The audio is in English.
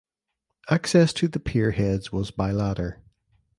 Access to the pier heads was by ladder.